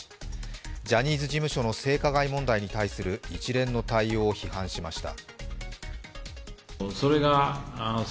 ジャニーズ事務所の性加害問題に対する一連の対応を批判しました。